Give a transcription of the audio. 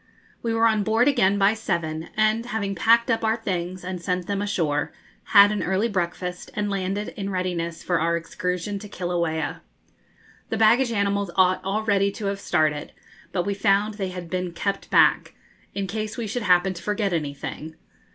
We were on board again by seven, and, having packed up our things and sent them ashore, had an early breakfast, and landed, in readiness for our excursion to Kilauea. The baggage animals ought already to have started, but we found they had been kept back, in case we should happen to forget anything.